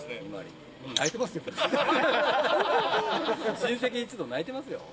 親戚一同泣いてますよ。